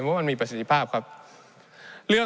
ในช่วงที่สุดในรอบ๑๖ปี